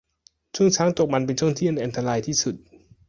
ช่วงช้างตกมันเป็นช่วงที่อันตรายที่สุด